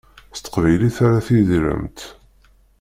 S teqbaylit ara tidiremt.